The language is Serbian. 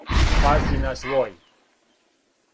Пази на свој.